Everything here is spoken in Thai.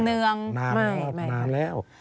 นานแล้ว